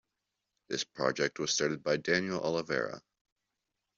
This project was started by Daniel Olivera.